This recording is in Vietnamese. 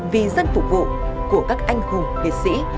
vì dân phục vụ của các anh hùng liệt sĩ